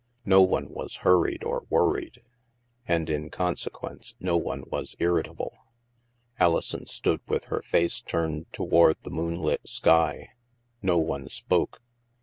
No one was hurried or worried. And, in conse quence, no one was irritable. Alison stood with her face turned toward the moonlit sky. No one spoke.